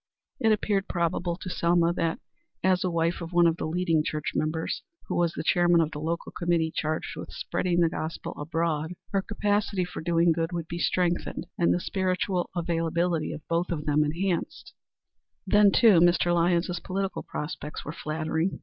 It appeared probable to Selma that, as the wife of one of the leading church members, who was the chairman of the local committee charged with spreading the gospel abroad, her capacity for doing good would be strengthened, and the spiritual availability of them both be enhanced. Then, too, Mr. Lyons's political prospects were flattering.